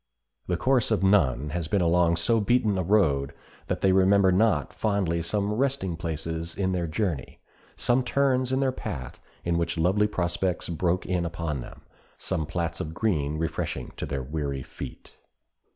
The course of none has been along so beaten a road that they remember not fondly some resting places in their journey, some turns in their path in which lovely prospects broke in upon them, some plats of green refreshing to their weary feet.